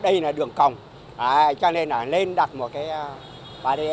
đây là đường còng cho nên là nên đặt một cái bà đê